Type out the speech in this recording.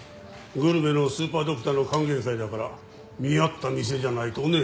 グルメのスーパードクターの歓迎会だから見合った店じゃないとね。